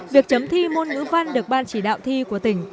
việc chấm thi môn ngữ văn được ban chỉ đạo thi của tỉnh